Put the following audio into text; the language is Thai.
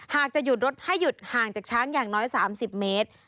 หากจะหยุดรถให้หยุดห่างจากช้างอย่างน้อย๓๐เมตร